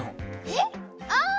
えっ？ああ！